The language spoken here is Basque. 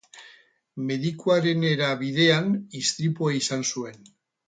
Medikuarenera bidean istripua izan zuen.